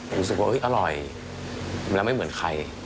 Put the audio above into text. ผมรู้สึกว่าอร่อยแล้วไม่เหมือนใคร